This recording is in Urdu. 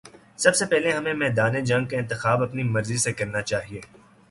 سب سے پہلے ہمیں میدان جنگ کا انتخاب اپنی مرضی سے کرنا چاہیے۔